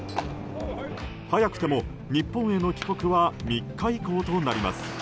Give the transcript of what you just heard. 早くても日本への帰国は３日以降となります。